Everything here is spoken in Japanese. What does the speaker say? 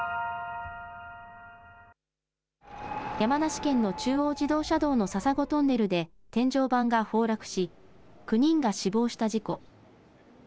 山梨県の中央自動車道の笹子トンネルで天井板が崩落し９人が死亡した事故。